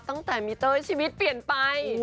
ตั้งแต่มีเต้ยชีวิตเปลี่ยนไป